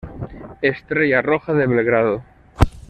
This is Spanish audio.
Estrella Roja de Belgrado